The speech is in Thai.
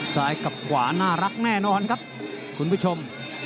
ซ้ายกับขวาน่ารักแน่นอนครับคุณผู้ชม